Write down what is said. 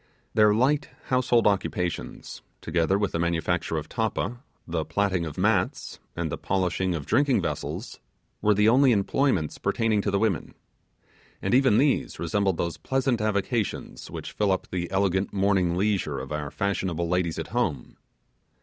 Their light household occupations, together with the manufacture of tappa, the platting of mats, and the polishing of drinking vessels, were the only employments pertaining to the women. And even these resembled those pleasant avocations which fill up the elegant morning leisure of our fashionable ladies at home.